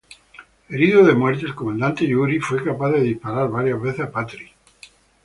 Herido de muerte el comandante Yuri fue capaz de disparar varias veces a Patrick.